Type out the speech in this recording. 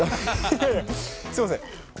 すみません。